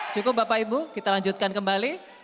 cukup bapak ibu kita lanjutkan kembali